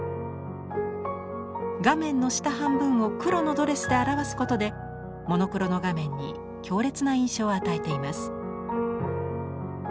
画面の下半分を黒のドレスで表すことでモノクロの画面に強烈な印象を与えています。